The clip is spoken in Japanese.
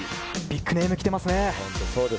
ビッグネームが来てますね。